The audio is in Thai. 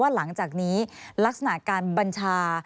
หลังจากนี้ลักษณะการบัญชา